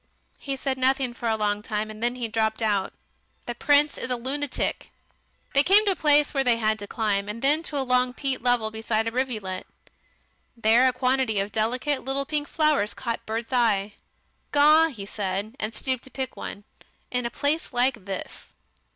He said nothing for a long time, and then he dropped out, "The Prince is a lunatic!" They came to a place where they had to climb, and then to a long peat level beside a rivulet. There a quantity of delicate little pink flowers caught Bert's eye. "Gaw!" he said, and stooped to pick one. "In a place like this."